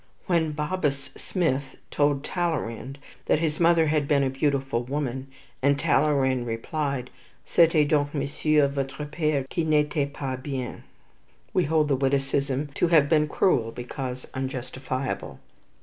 When "Bobus" Smith told Talleyrand that his mother had been a beautiful woman, and Talleyrand replied, "C'etait donc Monsieur votre pere qui n'etait pas bien," we hold the witticism to have been cruel because unjustifiable.